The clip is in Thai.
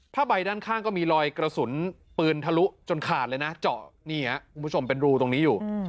ใบด้านข้างก็มีรอยกระสุนปืนทะลุจนขาดเลยนะเจาะนี่ครับคุณผู้ชมเป็นรูตรงนี้อยู่